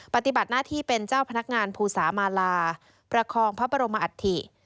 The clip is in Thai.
ปฏิบัติหน้าที่เป็นเจ้าพนักงานภูสามาลาประคองพระบรมอัฐิ